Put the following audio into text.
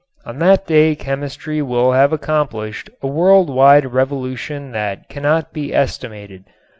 On that day chemistry will have accomplished a world wide revolution that cannot be estimated.